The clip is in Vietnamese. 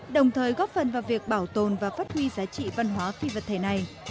đồng thời góp phần vào việc bảo tồn và phát huy giá trị văn hóa phi vật thể này